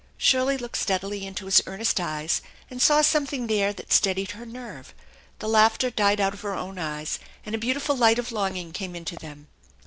Shirley looked steadily into his earnest eyes and saw some thing there that steadied her nerve. The laughter died out of her own eyes, and a beautiful light of longing came into them.